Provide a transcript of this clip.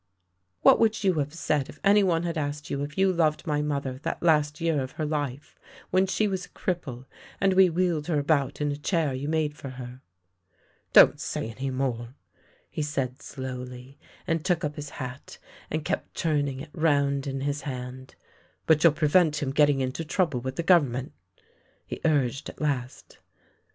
"" What would you have said if anyone had asked you if you loved my mother that last year of her life, when she was a cripple, and we wheeled her about in a chair you made for her! "" Don't say any more," he said slowly, and took up his hat, and kept turning it round in his hand. " But you'll prevent him getting into trouble with the Gover' ment? " he urged at last.